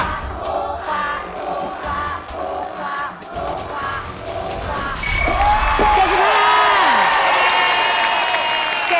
ถูกกว่า